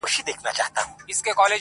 تر احسان لاندي هم ستا هم مو د پلار یم!